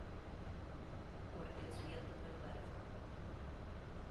porque os vio todo el barco.